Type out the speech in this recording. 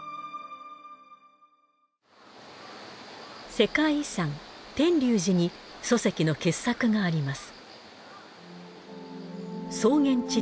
世界遺産天龍寺に疎石の傑作があります。